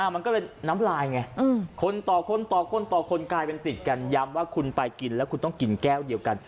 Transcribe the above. มันก็เลยน้ำลายไงคนต่อคนต่อคนต่อคนกลายเป็นติดกันย้ำว่าคุณไปกินแล้วคุณต้องกินแก้วเดียวกัน